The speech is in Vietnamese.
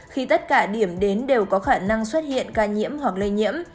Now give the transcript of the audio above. khi tất cả điểm đến đều có khả năng xuất hiện ca nhiễm hoặc lây nhiễm